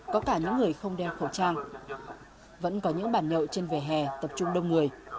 có cả những người không đeo khẩu trang vẫn có những bản nhậu trên vẻ hè tập trung đông người